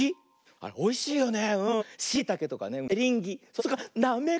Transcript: あれおいしいよね。